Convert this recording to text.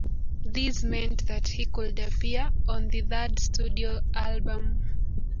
This meant that he could appear on the third studio album.